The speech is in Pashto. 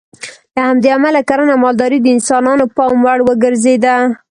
له همدې امله کرنه او مالداري د انسانانو پام وړ وګرځېده.